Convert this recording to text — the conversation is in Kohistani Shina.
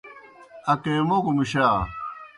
اکیموگوْ مُشا۔